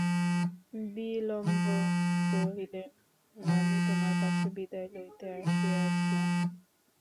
বিল্বন কহিলেন, আমি তোমার কাছে বিদায় লইতে আসিয়াছি।